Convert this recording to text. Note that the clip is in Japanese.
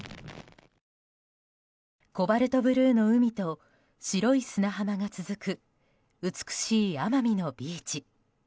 コバルトブルーの海と白い砂浜が続く美しい奄美のビーチ。